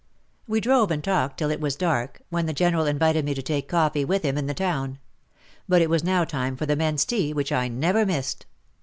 We drove and talked till it was dark, when the General invited me to take coffee with him in the town. But it was now time for the men's tea, which I never missed.